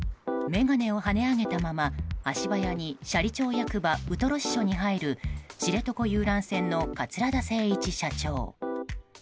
眼鏡をはね上げたまま、足早に斜里町役場ウトロ支所に入る知床遊覧船の桂田精一社長。